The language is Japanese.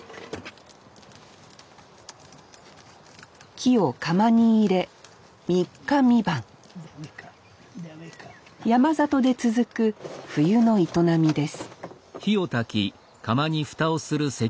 木を窯に入れ３日３晩山里で続く冬の営みです